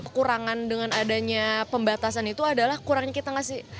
kekurangan dengan adanya pembatasan itu adalah kurangnya kita ngasih